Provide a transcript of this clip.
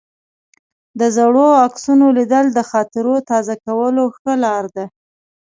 د زړو عکسونو لیدل د خاطرو تازه کولو ښه لار ده.